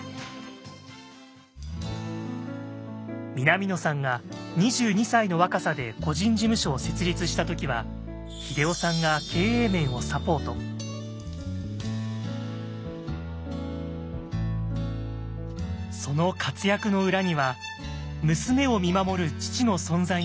南野さんが２２歳の若さで個人事務所を設立した時は英夫さんがその活躍の裏には娘を見守る父の存在がありました。